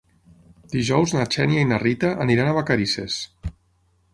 Dijous na Xènia i na Rita aniran a Vacarisses.